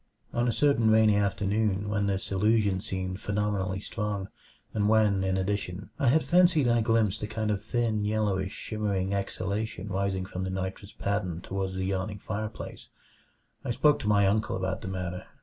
On a certain rainy afternoon when this illusion seemed phenomenally strong, and when, in addition, I had fancied I glimpsed a kind of thin, yellowish, shimmering exhalation rising from the nitrous pattern toward the yawning fireplace, I spoke to my uncle about the matter.